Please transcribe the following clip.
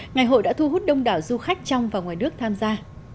ngày hội đã thu hút đông đảo du khách trong và ngoài nước tham gia